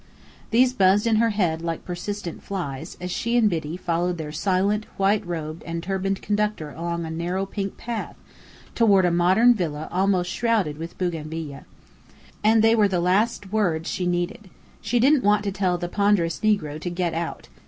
These buzzed in her head, like persistent flies, as she and Biddy followed their silent, white robed and turbaned conductor along a narrow pink path, toward a modern villa almost shrouded with bougainvillia. And they were the last words she needed. She didn't want to tell the ponderous negro to "get out."